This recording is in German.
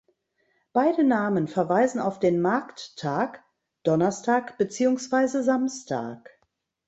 Beide Namen verweisen auf den Markttag (Donnerstag beziehungsweise Samstag).